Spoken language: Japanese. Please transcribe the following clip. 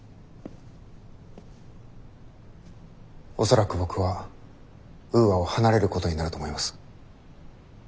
恐らく僕はウーアを離れることになると思います。